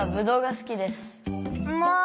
もう！